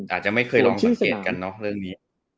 อาจจะไม่เคยลองสังเกตกันเนอะเรื่องนี้